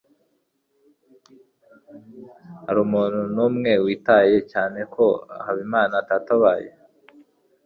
Ntamuntu numwe witaye cyane ko Habimana atatabaye.